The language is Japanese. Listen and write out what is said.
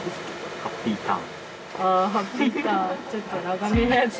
ハッピーターン。